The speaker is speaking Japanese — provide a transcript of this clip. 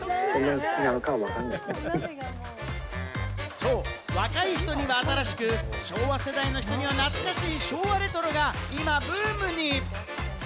そう、若い人には新しく、昭和世代の人には懐かしい昭和レトロが今ブームに！